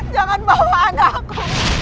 jangan bawa anakku